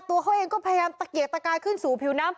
ตัวเขาเองก็พยายามตะเกียกตะกายขึ้นสู่ผิวน้ำ